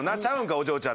お嬢ちゃん。